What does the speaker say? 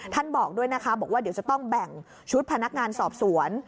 บอกด้วยนะคะบอกว่าเดี๋ยวจะต้องแบ่งชุดพนักงานสอบสวน